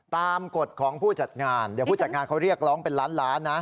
กฎของผู้จัดงานเดี๋ยวผู้จัดงานเขาเรียกร้องเป็นล้านล้านนะ